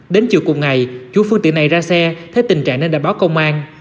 đến chiều cùng ngày chú phương tị này ra xe thấy tình trạng nên đã báo công an